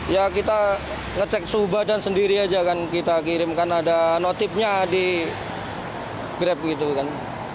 ya kita ngecek suhu badan sendiri aja kan kita kirimkan ada notipnya di grab gitu kan